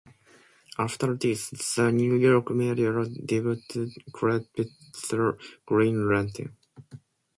After this, the New York media dubbed Chrebet The Green Lantern.